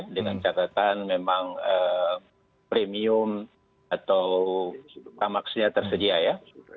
dengan catatan memang premium atau kamaksnya tersedia